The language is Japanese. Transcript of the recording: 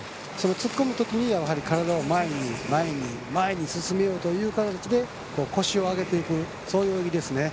突っ込むときに体を前に、前に前に進めようと腰を上げていくそういう泳ぎですね。